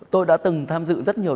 tôi đã từng tham dự rất nhiều